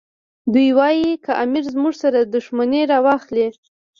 دی وایي که امیر زموږ سره دښمني راواخلي.